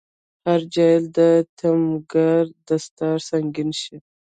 هر جاهل ته دټګمار دستار سنګين شي